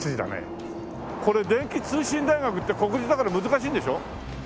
これ電気通信大学って国立だから難しいんでしょ？